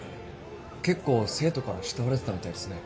結構生徒から慕われてたみたいですね。